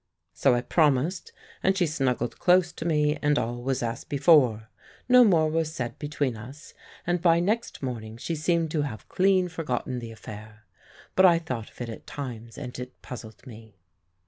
"So I promised, and she snuggled close to me, and all was as before. No more was said between us, and by next morning she seemed to have clean forgotten the affair. But I thought of it at times, and it puzzled me.